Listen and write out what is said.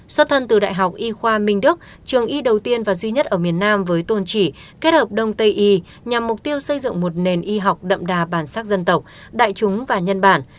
xuất thân từ đại học y khoa minh đức trường y đầu tiên và duy nhất ở miền nam với tôn chỉ kết hợp đông tây y nhằm mục tiêu xây dựng một nền y học đậm đà bản sắc dân tộc đại chúng và nhân bản